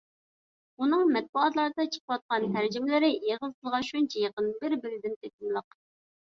ئۇنىڭ مەتبۇئاتلاردا چىقىۋاتقان تەرجىمىلىرى ئېغىز تىلىغا شۇنچىلىك يېقىن، بىر-بىرىدىن تېتىملىق.